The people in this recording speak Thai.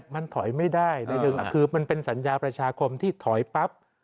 มันถอยไม่ได้ในหนึ่งคือมันเป็นสัญญาประชาคมที่ถอยปั๊บ